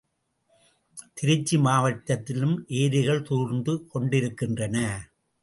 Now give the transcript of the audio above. திருச்சி மாவட்டத்திலும் ஏரிகள் தூர்ந்து கொண்டிருக்கின்றன.